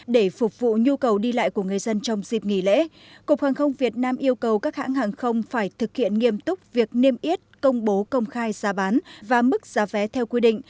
để phục vụ nhu cầu đi lại của người dân trong dịp nghỉ lễ cục hàng không việt nam yêu cầu các hãng hàng không phải thực hiện nghiêm túc việc niêm yết công bố công khai giá bán và mức giá vé theo quy định